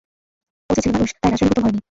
ও যে ছেলেমানুষ, তাই রাজরানী হতেও ভয় নেই।